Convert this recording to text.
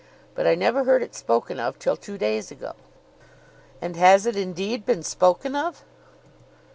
But I never heard it spoken of till two days ago." "And has it indeed been spoken of?"